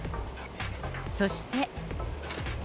そして。